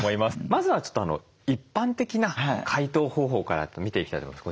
まずはちょっと一般的な解凍方法から見ていきたいと思います。